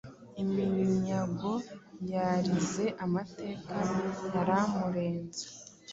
iminyago yarize Amateka yaramurenze